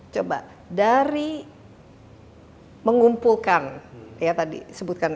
coba dari mengumpulkan ya tadi sebutkan